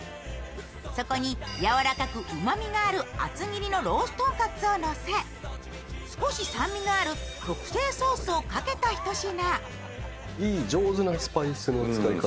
そこにやわらかくうまみがある厚切りのロース豚カツを乗せ少し酸味のある特製ソースをかけたひと品。